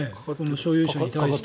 所有者に対して。